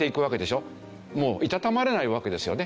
もういたたまれないわけですよね。